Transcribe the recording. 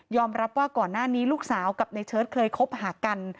รับว่าก่อนหน้านี้ลูกสาวกับในเชิดเคยคบหากัน